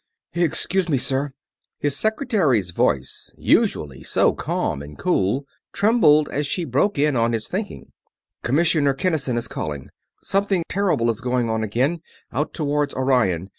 "Excuse me, sir." His secretary's voice, usually so calm and cool, trembled as she broke in on his thinking. "Commissioner Kinnison is calling. Something terrible is going on again, out toward Orion.